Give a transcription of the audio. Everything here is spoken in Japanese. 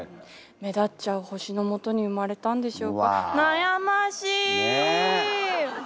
目立っちゃう星の下に生まれたんでしょうか。